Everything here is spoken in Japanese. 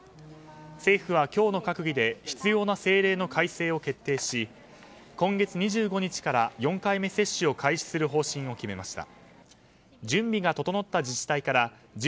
政府は今日の閣議で必要な政令の改正を決定し今月２５日から４回目接種を開始する方針を決めました。